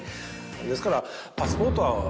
ですから。